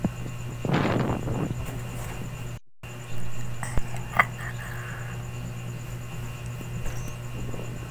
সমগ্র প্রকৃতির সূক্ষ্ম স্থূল সর্ববিধ অবস্থা এই জ্ঞানের আয়ত্তের মধ্যে।